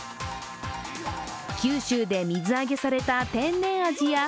九州で水揚げされた天然あじや